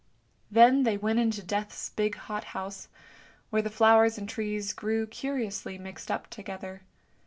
Then they went into Death's big hot house, where the flowers and trees grew curiously mixed up together.